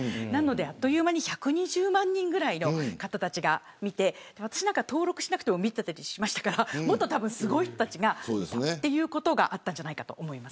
あっという間に１２０万人ぐらいの方が見て私なんか登録しなくても見ていたりしましたからもっとすごい人たちが見ていたというところがあったんだと思います。